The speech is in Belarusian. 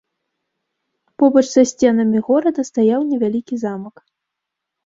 Побач са сценамі горада стаяў невялікі замак.